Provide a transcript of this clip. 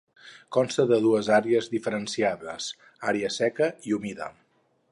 Consta de dues àrees diferenciades, àrea seca i humida.